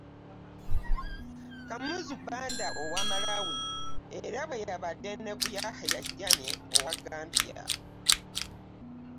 Kamuzu Banda owa Malawi era bwe kyabadde ne ku Yahya Jammeh owa Gambia